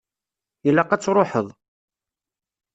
Ilaq ad truḥeḍ.